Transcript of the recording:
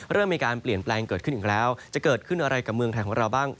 เริ่มมีการเปลี่ยนแปลงเกิดขึ้นอีกแล้วจะเกิดขึ้นอะไรกับเมืองไทยของเราบ้าง